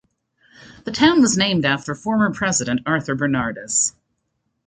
The town was named after former president Arthur Bernardes.